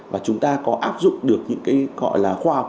và chúng ta có áp dụng được những cái gọi là khoa học